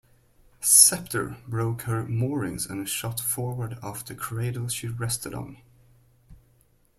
"Sceptre" broke her moorings and shot forward off the cradle she rested on.